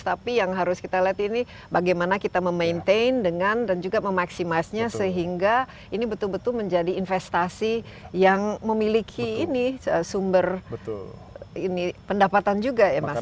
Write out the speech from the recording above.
tapi yang harus kita lihat ini bagaimana kita memaintain dengan dan juga memaksimaisinya sehingga ini betul betul menjadi investasi yang memiliki ini sumber pendapatan juga ya mas